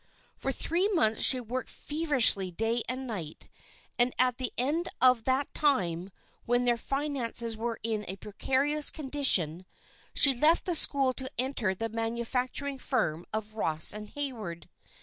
For three months she worked feverishly night and day, and at the end of that time, when their finances were in a precarious condition, she left the school to enter the manufacturing firm of Ross and Hayward.